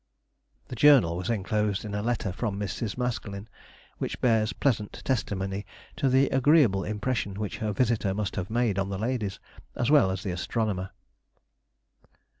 The journal was enclosed in a letter from Mrs. Maskelyne, which bears pleasant testimony to the agreeable impression which her visitor must have made on the ladies, as well as the astronomer.